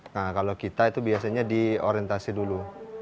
nah kalau kita itu biasanya di orientasi dulu